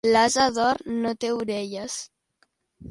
L'ase d'or no té orelles.